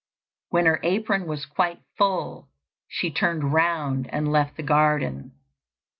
When her apron was quite full, she turned round and left the garden.